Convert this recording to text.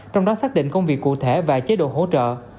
trong đó xác định công việc cụ thể và chế độ hỗ trợ